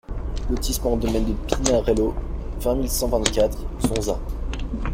Lotissement Domaine de Pinarello, vingt mille cent vingt-quatre Zonza